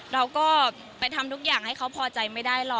เราก็ไปทำทุกอย่างให้เขาพอใจไม่ได้หรอก